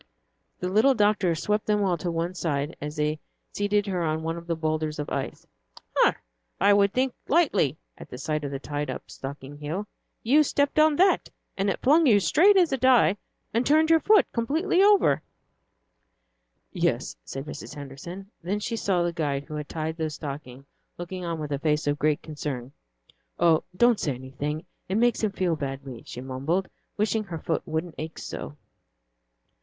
The little doctor swept them all to one side, as they seated her on one of the boulders of ice. "Humph! I should think likely," at sight of the tied up stocking heel. "You stepped on that, and it flung you straight as a die and turned your foot completely over." "Yes," said Mrs. Henderson. Then she saw the guide who had tied the stocking looking on with a face of great concern. "Oh, don't say anything, it makes him feel badly," she mumbled, wishing her foot wouldn't ache so.